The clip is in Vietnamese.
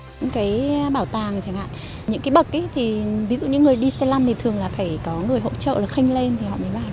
những cái bảo tàng chẳng hạn những cái bậc ý ví dụ những người đi xe lăn thì thường là phải có người hỗ trợ là khenh lên thì họ mới bán